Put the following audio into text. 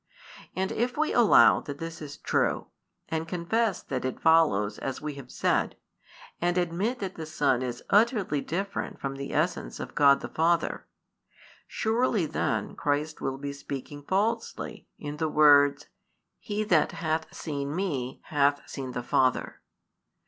And if we allow that this is true, and confess that it follows as we have said, and admit that the Son is utterly different from the essence of God the Father, surely then Christ will be speaking falsely in the words: He that hath seen Me hath seen the Father.